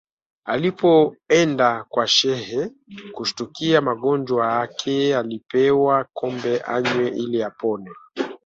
Alipoenda kwa Shehe kushtukia magonjwa ake alipewa kombe anywe ili apone